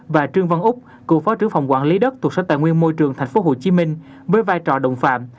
và trương văn úc cựu phó trưởng phòng quản lý đất thuộc sở tài nguyên môi trường tp hcm với vai trò đồng phạm